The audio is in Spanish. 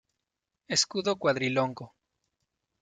Escudo cuadrilongo.